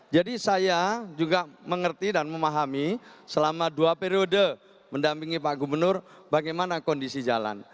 jadi saya juga mengerti dan memahami selama dua periode mendampingi pak gubernur bagaimana kondisi jalan